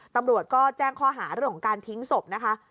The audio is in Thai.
ตำรวจก็แจ้งข้อหาเรื่องของการทิ้งศพนะคะ